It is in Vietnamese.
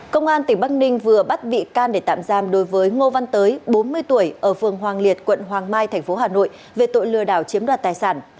công an tỉnh bắc ninh vừa bắt bị can để tạm giam đối với ngô văn tới bốn mươi tuổi ở phường hoàng liệt quận hoàng mai tp hà nội về tội lừa đảo chiếm đoạt tài sản